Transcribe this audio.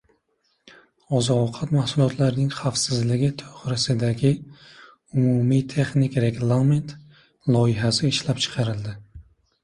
“Oziq-ovqat mahsulotlarining xavfsizligi to‘g‘risida”gi umumiy texnik reglament loyihasi ishlab chiqildi